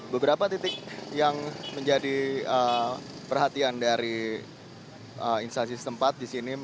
beberapa titik yang menjadi perhatian dari instansi setempat di sini